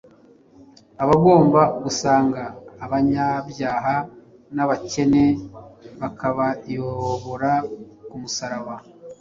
bagomba gusanga abanyabyaha n’abakene bakabayobora ku musaraba